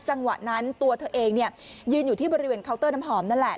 จังหวะนั้นตัวเธอเองยืนอยู่ที่บริเวณเคาน์เตอร์น้ำหอมนั่นแหละ